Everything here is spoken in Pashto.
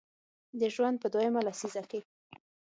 د ژوند په دویمه لسیزه کې